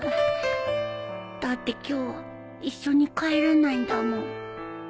だって今日は一緒に帰らないんだもん